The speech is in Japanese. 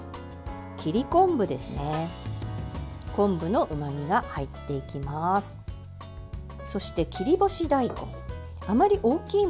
切り昆布ですね。